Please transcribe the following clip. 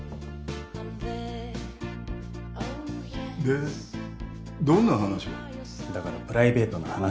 でどんな話を？だからプライベートな話です。